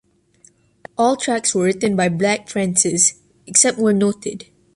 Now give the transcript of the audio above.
All tracks were written by Black Francis, except where noted.